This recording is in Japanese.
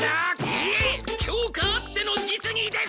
いえ教科あっての実技です！